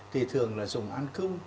thì thường là dùng an cung